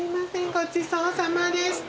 ごちそうさまでした。